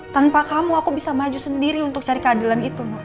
tanpa kamu aku bisa maju sendiri untuk cari keadilan itu